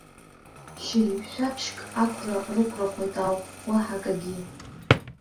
Шьыжь шәаԥшьк ақәра рықәрахоит ауп, уаҳа акгьы.